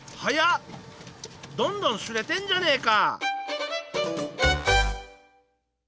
どんどん刷れてんじゃねえか！